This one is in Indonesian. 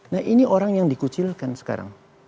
nah ini orang yang dikucilkan sekarang